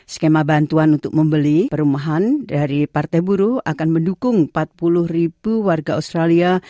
skema bantuan untuk membeli perumahan dari partai buruh akan mendukung empat puluh ribu warga australia